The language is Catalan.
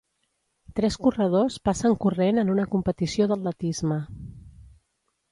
Tres corredors passen corrent en una competició d'atletisme.